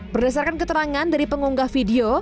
berdasarkan keterangan dari pengunggah video